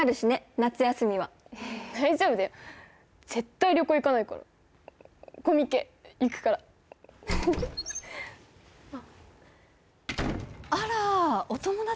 夏休みは大丈夫だよ絶対旅行行かないからコミケ行くからあらーお友達？